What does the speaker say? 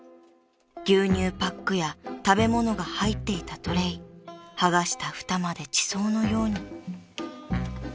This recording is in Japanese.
［牛乳パックや食べ物が入っていたトレー剥がしたふたまで地層のように］